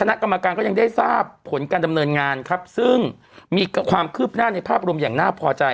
คณะกรรมการก็ยังได้ทราบผลการดำเนินงานครับซึ่งมีความคืบหน้าในภาพรวมอย่างน่าพอใจ